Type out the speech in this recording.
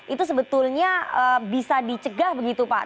itu sebetulnya bisa dicegah begitu pak